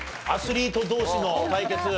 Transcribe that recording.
アスリート同士の対決。